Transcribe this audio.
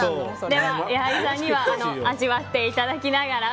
では矢作さんには味わっていただきながら。